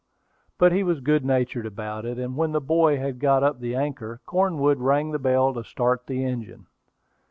But he was good natured about it, and when the boy had got up the anchor, Cornwood rang the bell to start the engine.